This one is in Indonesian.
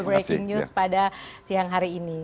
breaking news pada siang hari ini